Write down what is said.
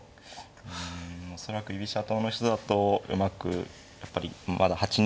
うん恐らく居飛車党の人だとうまくやっぱりまだ８二飛車が働いてないんで。